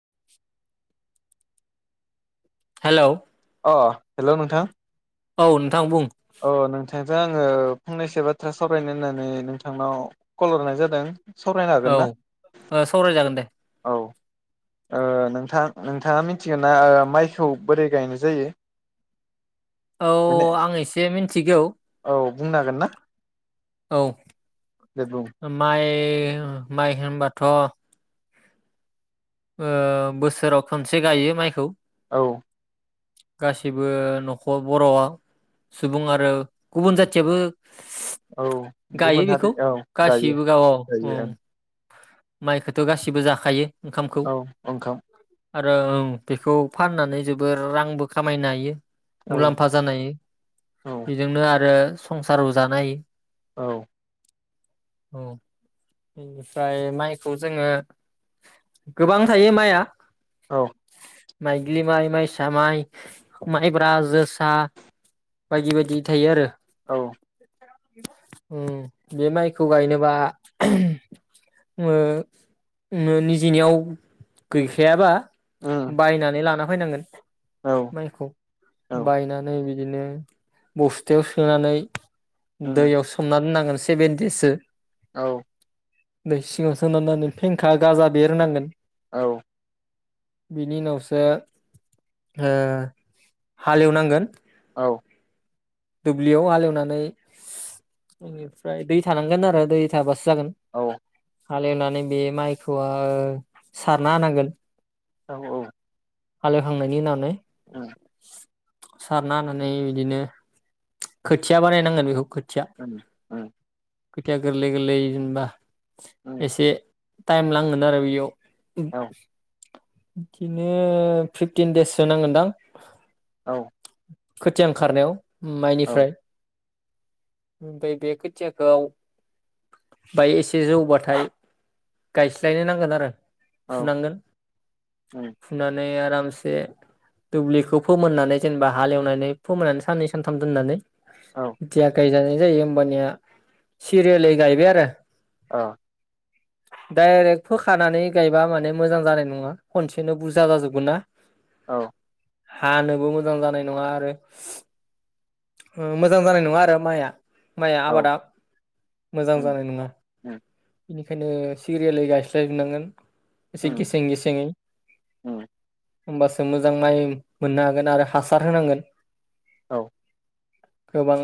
[inaudible] Hello अ हेल नोंथां औ नोंथां बुं। अ नोंथांजों आङो फंनैसो बाथ्रा सावरायनो होननानै नोंथांनाव कल हरनाय जादों। सावरायनो हागोन औ ना सावरायजागोन दे। औ ओ नोंथां नोंथाङा मिथिगोन ना माइखौ बोरै गायनाय जायो? औ आं एसे मिथिगौ। बुंनांगोन ना। औ दे बुं माइ माइ होनबाथ ओ बोसोराव खनसे गायो माइखौ। औ गासिबो नखर बरआ सुबुं आरो गुबुन जाथियाबो। औ गायो गुबुन बेखौ हारि औ गासिबो गावआव गायो-गायो ओं माइखौथ गासिबो जाखायो। ओंखामखौ औ ओंखाम आरो ओं बेखौ फाननानै जोबोर रांबो खामायनो हायो। औ मुलाम्फा जानाय औ बेजोंनो आरो। संसार बो जानो हायो। औ औ बेनिफ्राय माइखौ जोङो। गोबां थायो माइआ। औ माइग्लि माइ माइसा माइ माइब्रा जोसा बायदि बायदि थायो आरो। औ ओम बे माइखौ गायनोबा। दिननियाव गैखायाबा उम बायनानै लाना बायनांगोन औ माइखौ औ बायनानै बिदि बिदिनो बस्थायाव सोनानै। उम दैयाव सोमना दोननांगोन। सेबेन देससो। औ दै सिङाव सोनानानै फेंखा गाजा बेरनांगोन औ बिनि उनावसो ओ हालेवनांगोन औ दुब्लियाव हालेवनानै बेनिफ्राय दै थानांगोन आरो दै थाबासो जागोन। औ औ हालेवनानै बे माइखौ ओ सारना होनांगोन औ औ हालेवखांनायनि उनावनै औ सारना होनानै बिदिनो खोथिया बानायनांगोन बेखौ खोथिया [unintelligible] खोथिया गोरलै गोरलै जेनबा उम एसे टाइम नांनोन आरो बेयाव उम औ बिदिनो फिफटिन देससो नांगोनदां औ खोथिया ओंखारनायाव औ माइनिफ्राय ओमफ्राय बे खोथियाखौ बाय एसे जौबाथाय गायस्लायनो नांगोन आरो औ फुनांगोन उम फुनानै आरामसे दुब्लिखौ फोमोननानै जेनेबा हालेवनानै फोमोननानै साननै सानथाम दोननानै औ थिया गायजा जायो होमबानिया सिरियालै गायबाय आरो औ डाइरेक्ट फोखानानै गायबा माने मोजां जानाय नङा खनसेनो बुरजा जाजोबगोन ना औ हानोबो मोजां जानाय नङा आरो ओ मोजां जानाय नङा आरो माइआ माइया औ आबादा मोजां उम जानाय नङा उम बेनिखायनो सिरियालै गायस्लायजोबनांगोन एसे उम गेसें सेङै उम [inaudible] होमबासो मोजां माइ मोननो हागोन आरो हासार होनांगोन औ गोबां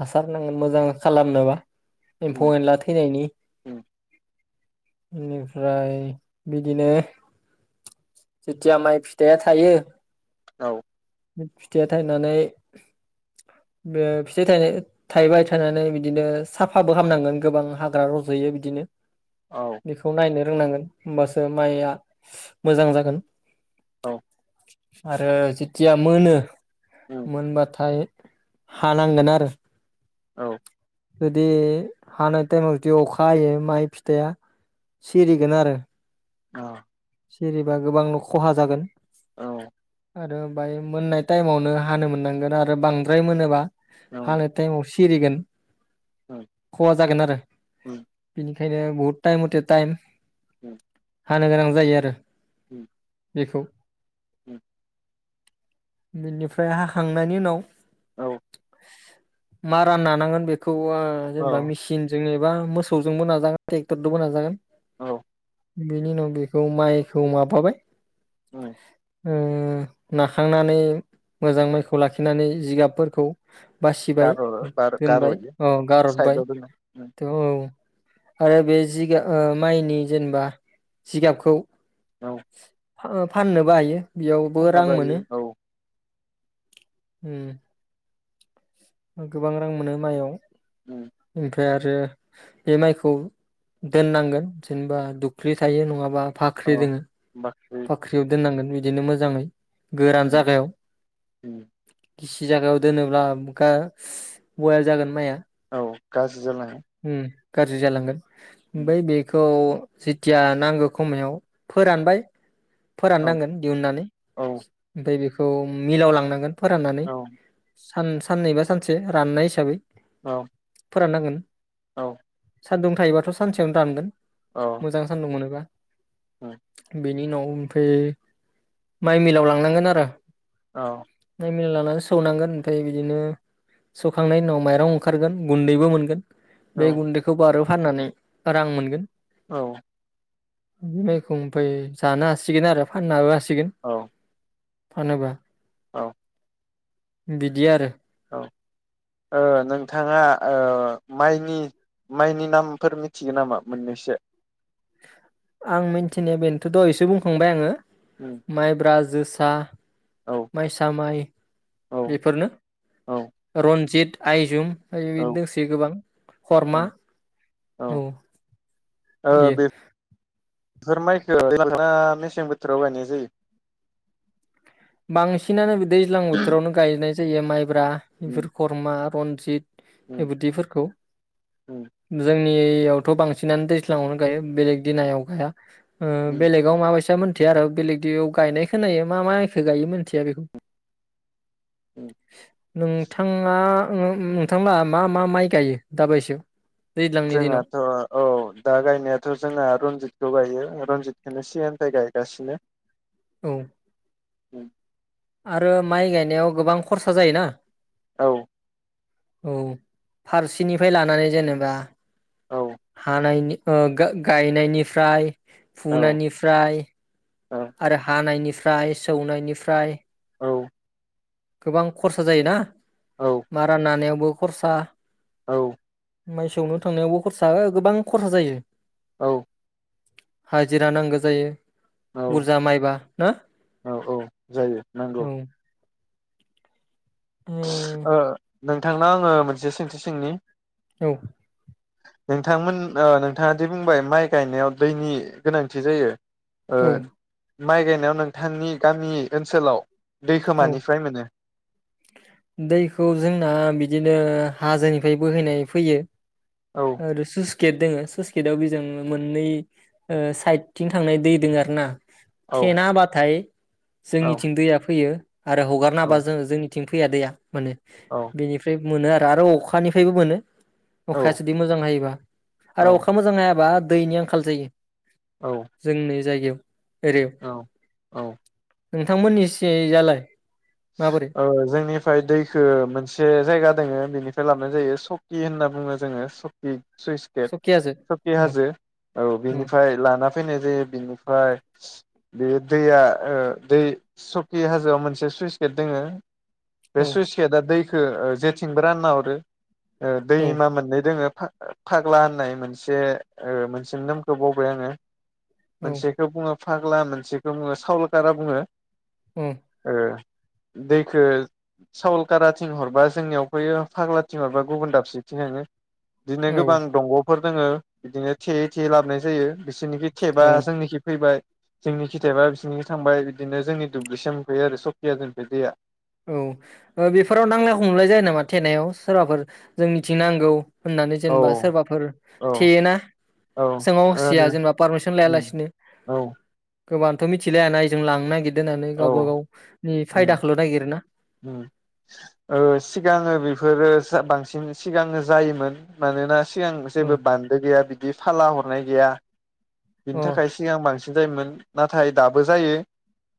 हासार नाङो मोजां खालामनोबा एम्फौ उम एन्ला थैनायनि उम बेनिफ्राय बिदिनो जेथिया माइ फिथाइया थायो औ फिथाइया थाइनानै फिथाय थायनाय थायबाय थायनानै बिदिनो साफाबो खालामामनांगोन गोबां हाग्रा रजयो बिदिनो। औ बेखौ नायनो नांगोन हबासो माइआ मोजां जागोन [unintelligible] औ आरो जेथिया मोनो उम मेनबा थाय हानांगोन आरो औ जुदि हानाय टाइमाव जुदि अखा हायो माइ फिथाइया सिरिगोन आरो। औ सेरबा गोबांनो खहा जागोन। औ आरो ओमफ्राय मोननाय टाइमावनो हानो मोननांगोन आरो बांद्राय मोनोबा उम उम हानो थाइम आव सिरिगोन। उम खहा जागोन आरो उम बिनि बहुत टाइम मथे टाइम उम हांनो गोनां जायो आरो। उम बेखौ। उम बेनिफ्राय हाखांनायनि उनाव औ मारा राननांगोन बेखौव थवा जेनेबा औ मिेसिन जोंनि एबा मोसौजोंबो नाजागोन ट्रेक्टरजोंबो नाजागोन। औ बिनि उनाव बेखौ माइखौ माबाबाय। औ ओ नाखांनानै मोजां माइखौ लाखिनानै जिगाबफोरखौ बासिबाय गार' गार' दोनबाय गार'यो औ गारहरबाय साइदआव दोनो उम थ औ आरो बे जिगाब माइनि जेनेबा जिगाबखौ औ फाननोबो हायो। बेयावबो खननो रां मोनो। बायो औ होम। गोबां रां मोनो माइआव उ फाय आरो बे माइखौ दोननांगोन जेनेबा दुख्लि थायो नङाबा फाख्रि औ दोङो बाख्रि बाख्रियाव दो नांगोन बिदिनो मोजाङै गोरान उम जागायाव उम गिसि जागायाव दोनोब्ला बयेल जागोन माइआ औ गाज्रि जालाङो। उम गाज्रि जालांगोन उम ओमफाय बेखौ जेथिया नांगौ खमायाव फोरानबाय औ फोराननांगोन दिहुननानै औ ओमफाय बेखौ थ मिलाव लांनांगोन फोराननानै औ सान-साननैबा सानसे राननाय हिसाबै औ। फोराननांगोन औ। सान्दुं थायोबाथ सानसेयावनो दानगोन मोजां सानदुंमोनोबा औ बेनि उनाव ओमफाय माइ मिलाव लांनांगोन आरो औ। मला लानानै सौनांगोन ओमफ्राय बिदिनो सौखांनायनि उनाव माइरं ओंखारगोन गुन्दैबो मोनगोन बे गुन्दैखौ बारौ फाननानै रां मोनगोन औ। मखौ फाय जानो हासिगोन आरो फाननोाबो हासिगोन औ। फानोबा औ। बिदि आरो। औ ओ नोंथाङा ओ माइनि माइनि नामफोर मिथिगौ नामा मोननैसो आं मिथिनाया बेनोथ' द एसे बुंखांबाय आङो उम माइ ब्रेजस सा औ माइसा माइ औ बेफोरनो औ रनजित आयजं ओ औ दोंसे गोबां औ हरमा औ ओ बियो बेफोर माइखौ [unintelligible] मेसें बोथोराव गायनाय जायो बांसिनानो दैज्लां बोथोरावनो गायनाय जायो माइ फ्रा बेफोर उम खरमा रनजित उम बेब्दिफोरखौ उम जों जोंनियावथ' बांसिनानो दैज्लाङावनो गायो बेलेग दिनायाव गाया ओ उम बेलेगाव माबायसा मोन बिदि आरो बेलेग दियाव गायनाय खोनायो मा मा सोर गायो मिथिया बेखौ उम नोंथाङा नोंथांला मा मा माइ गायो दाबायसायाव? दैज्लांनि दिनाव जोंहाथ' औ दा गायनायाथ' जोंना रनजितखौ गायो। रनजितखौनो सिगांनिफ्राय गायगासिनो। औ उम आरो माइ गायनायाव गोबां खरसा जायोना। औ औ फारसेनिफ्राय लानानै जेनेबा औ हानायनि ओ गा गायनायनिफ्राय औ फुनायनिफ्राय औ आरो हानायनिफ्राय सौनायनिफ्राय औ गोबां खरसा जायोना। मारनानायावबो खरसा औ माइसौनो थांनायावबो खरसा ओ गोबां खरसा जायो। औ हाजिरा नांगौ जायो। बुरजा माइबा ना औ [inaudible] [unintelligible] उम, ओ नोंथांनाव आंङो मोनसे सोंथि सोंनि औ नोंथांमोन ओ नोंथाङा दि बुंबाय माइ गायनायाव दैनि गोनांथि जायो ओ औ माइ गायनायाव नोंथांनि गामि ओनसोलाव दैखो औ मानिफ्राय मोनो? दैखौ जोंना बिदिनो हाजोनिफ्राय बोहैनाय फैयो। औ आरो सुस गेट दोङो सुस गेटआव बेजों मोननै ओ साइदथिं थांनाय दै दोङो आरोना। औ थेेना होबाथाय औ जोंनिथिं दैया फैयो। आरो हगारनाबा औ जों जोंनि निथिं फैया दैया माने औ बेनिफ्राय मोनो आरो आरो अखानिफ्रायबो मोनो। औ जुदि मोजां हायोबा आरो अखा मोजां हायाबा दैनि आंखाल जायो। औ जोंनि जायगायाव एरियाव औ औ। नोंथांमोननिसिजालाय? माबोरै औ जोंनिफ्राय दैखो मोनसे जायगा दोङो बेनिफ्राय लाबोनाय जायो सकि होनना बुङो जोङो सकि। सुइस गेट सकियासो सकि औ हाजो औ बिनिफ्राय लाना फैनाय जायो बिनिफ्राय बेयो दैया ओ दै सकि हाजोआव मोनसे सुइस दोङो बे औ सुइस गेटा दै खो ओ जेथिंबो रानना हरो। ओ औ दैमा मोननै दोङो। फा फाग्ला होननाय मोनसे ओ मोनसेनि नामखो बावबाय आङो। औ मोनसेखो बुङो। फाग्ला मोनसेखौ बुङो सावलकारा बुङो। औ एह। दैखो सावलकाराथिं हरबा जोंनियाव फैयो फाग्लाथिं हरबा गुबुन दाबसे थिं थाङो। इदिनो गोबां दंग फोर दोङो बिदिनो थेयै थेयै लाबनाय जायो। बिसोरनिखि थेबा औ जोंनिखि फैबाय। जोंनिखि थायाबा बिसोरनिखि थांबाय बिदिनो जोंनि दुब्लिसिम मोनफैयो आरो सब [unintelligible] औ ओ बेफोराव नांलाय खमलाय जायो नामा थेनायाव सोरबाफोर जों निथिं नांगौ होननानै औ जेनेबा सोरबाफोर औ थेयोना ओ सोंआहसिया जेनेबा पारमिसन उम लायालासिनो औ गोबांथ' मिथिलाया ना इजों लांनागिर दो होननानै औ गावबा गावनि फायदाखौल' नागिर ओम ओ सिगाङो बेफोर इफोरो बांसिन सिगांओ जायोमोन मानोना सिगां औ जेबो बान्दो गैया बिदि फाला हरनाय गैया। बिनि अ थाखाय सिगां बांसिन जायोमोन नाथाय दाबो जायो।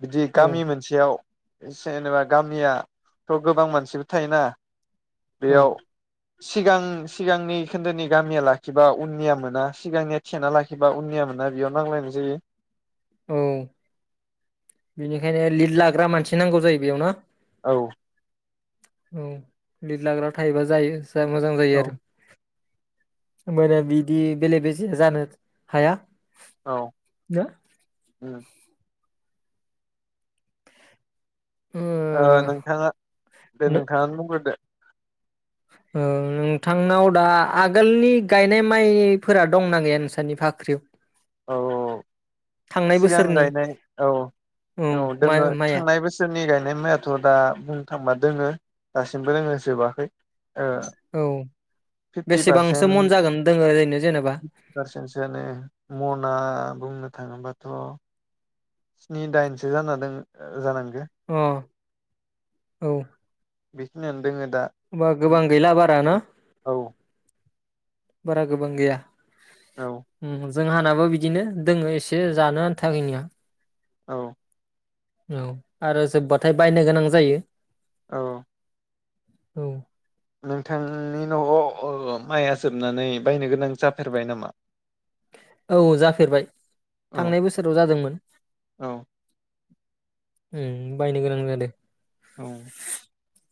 बिदि औ गामि मोनसेयाव जेनेबा गामिया थ' गोबां मानसिबो थायोना औ बेयाव सिगां सिगांनि खोन्दोनि गामिया लाखिबा उननिया मोना सिगांनिया थिखोना लाखिबा उननिया मोना बेयाव नांलायनाय जायो। औ बिनिखायनो लिड लाग्रा मानसि नांगौ जायो बेयावनो ना? औ औ लिदलाग्रा थायोबा जायो। जा मोजां जायो औ आरो होनबानिया बिदि बेले बेजे जानो हाया। औ ना ओ नोंथाङा दे नोंथाङानो बुंग्रोदो औ नोंथांनाव दा आगोलनि गायनाय माइ फोरा दंना गैया नोंसानि भाख्रियाव? औ औ सिगां बोसोरनि गायनाय औ औ माइ दोङो माइआ थांनाय बोसोरनि गा मायाथ' दा बुंनो थांबा दोङो दासिमबो दोङो जोबाखै ओ औ फिफ्टि बेसेबांसो मन पारसेन्थ जागोन दोङो ओरैनो जेनेबा पारसेन्टसोआनो मना बुंनो थाङोबाथ' स्नि दाइनसो जाना दों जागोन। अ औ बेखिनानो होमबा गोबां गैला बारा ना? औ बारा गोबां गैया। औ उम जोंहानाबो बिदिनो दोङो एसे जानो आन्थाखोनिया औ औ आरो जोब्बाथाय बायनो गोनां जायो। औ। औ। नोंथांनि न'आव ओ माइया जोबनानै बायनो गोनां जाफेरबाय नामा? औ जाफेरबाय औ थांनाय बोसोराव जादोंमोन। औ ओं बायनो गोनां जादों। उम।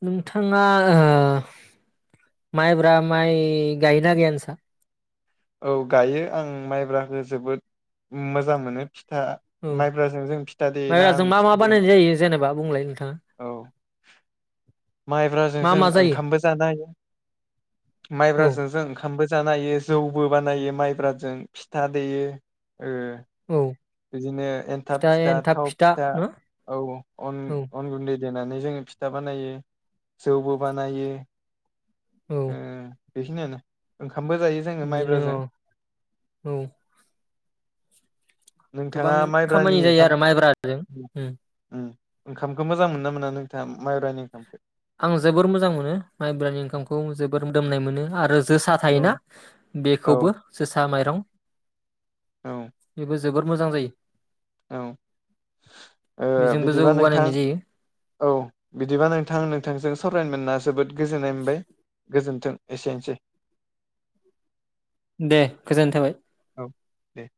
नोंथाङा ओ माइब्रा माइ गायोना गाया नोंसा? औ गायो आं माइब्राखो जोबोद मोजां मोनो। थां औ माइब्राजों जों फिथा देयोना माइब्राजों ओं मा मा बानायनाय जायो जेनेबा बुंलाय नोंथां। [unintelligible] माइब्राजों जों ओंखामबो जानो हायो। औ माइब्राजों जों ओंखाम बो जानोहायो जौबो बानायो माइब्राजों फिथा देयो। ओ औ बिदिनो एन्थाब फिथा थाव फिथा औ अन औ अन गुन्दै देनानै जोङो फिथा बानायो। जौबो बानायो। औ। ओ बेखिनियानो। ओं खामबो जायो जोङो बिदिनो माइब्राजों। औ औ गोबां नोंथाङा माइब्रानि खामानि जायो ओंखाम आरो माइब्राजों। उम। ओंखामखो मोजां मोनो मोना नोंथाङा माइब्रानि ओंखामखो? आं जोबोर मोजां मोनो माइब्रानि ओंखामखौ जोबोर मोदोमनाय मोनो आरो जोसा औ थायोना औ बेखौबो जोसा माइरं औ [unintelligible] जोबोर मोजां जायो। औ ओ बेजोंबो जौ बिदिबा नोंथां बानायनाय जायो औ बिदिबा नोंथां थांजों सावरायनो मोनना जोबोद गोजोननाय मोनबाय गोजोन्थों। एसेनोसै। दे गोजोनथाबाय। दे [inaudible]